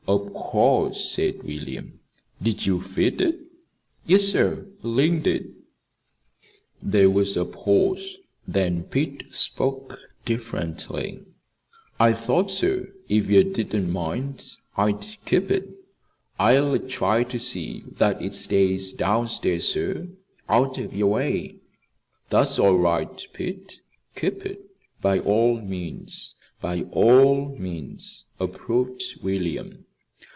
"Of course," said William. "Did you feed it?" "Yes, sir; Ling did." There was a pause, then Pete spoke, diffidently. "I thought, sir, if ye didn't mind, I'd keep it. I'll try to see that it stays down stairs, sir, out of yer way." "That's all right, Pete; keep it, by all means, by all means," approved William.